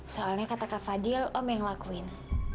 soalnya kata kak fadil om yang lakuin